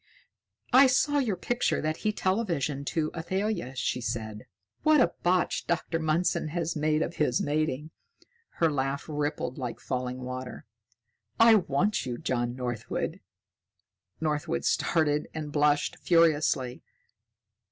"I saw your picture that he televisioned to Athalia," she said. "What a botch Dr. Mundson has made of his mating." Her laugh rippled like falling water. "I want you, John Northwood!" Northwood started and blushed furiously.